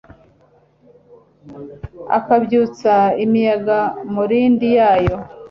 akabyutsa imiyaga mu ndiri yayo